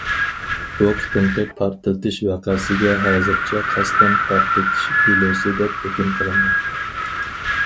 بۇ قېتىمقى پارتلىتىش ۋەقەسىگە ھازىرچە قەستەن پارتلىتىش دېلوسى، دەپ ھۆكۈم قىلىنغان.